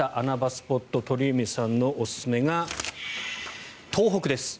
スポット鳥海さんのおすすめが東北です。